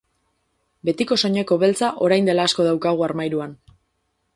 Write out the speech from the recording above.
Betiko soineko beltza orain dela asko daukagu armairuan.